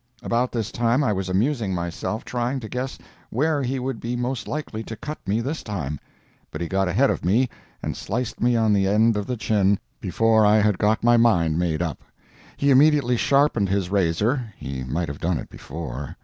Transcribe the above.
About this time I was amusing myself trying to guess where he would be most likely to cut me this time, but he got ahead of me and sliced me on the end of the chin before I had got my mind made up. He immediately sharpened his razor—he might have done it before.